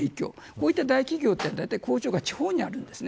こういった大企業はだいたい工場が地方にあるんです。